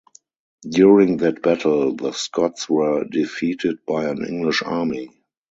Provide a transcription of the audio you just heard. During that battle the Scots were defeated by an English army.